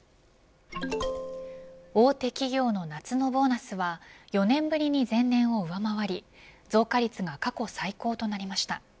大手企業の夏のボーナスは４年ぶりに前年を上回り増加率が過去最高となりました。